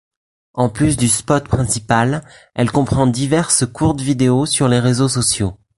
En plus du spot principal, elle comprend diverses courtes vidéos sur les réseaux sociaux.